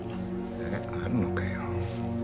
えっあるのかよ。